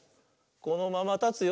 「このままたつよ」